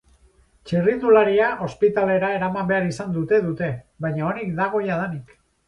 Txirrindularia ospitalera eraman behar izan dute dute, baina onik dago jadanik.